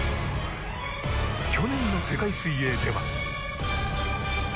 去年の世界水泳では。